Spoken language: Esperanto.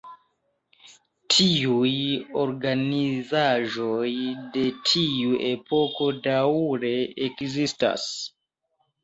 Tiuj organizaĵoj de tiu epoko daŭre ekzistas.